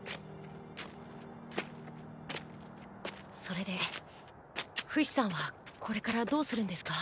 それでフシさんはこれからどうするんですか？